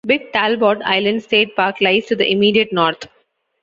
Big Talbot Island State Park lies to the immediate north.